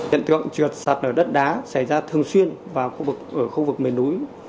hiện tượng trượt sạt lở đất đá xảy ra thường xuyên ở khu vực miền núi